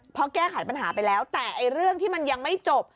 เพราะแก้ไขปัญหาไปแล้วแต่เรื่องที่มันยังไม่จบ